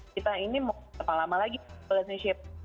kita ini mau setelah lama lagi relationship